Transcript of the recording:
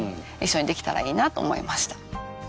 一緒にできたらいいなと思いました。